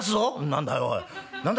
「何だいおい何だ？